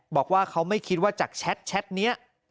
บอกว่าเขาไม่คิดว่าจากแชทนี้